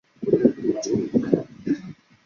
霍夫出生于马萨诸塞州的波士顿。